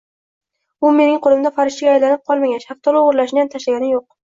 U mening qoʻlimda farishtaga aylanib qolmagan, shaftoli oʻgʻirlashniyam tashlagani yoʻq…